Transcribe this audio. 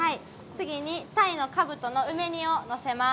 次に、鯛のかぶとの梅煮をのせます。